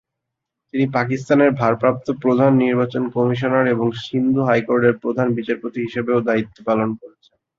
তিনি পাকিস্তানের ভারপ্রাপ্ত প্রধান নির্বাচন কমিশনার, এবং সিন্ধু হাইকোর্টের প্রধান বিচারপতি হিসাবেও দায়িত্ব পালন করেছেন।